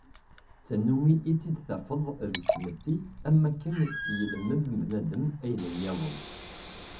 D tannumi ad tt-id-tafeḍ deg tmetti am wakken yelmed bnadem ayen nniḍen.